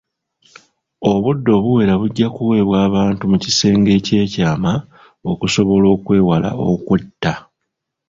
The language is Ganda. Obudde obuwera bujja kuweebwa abantu mu kisenge eky'ekyama okusobola okwewala okwetta.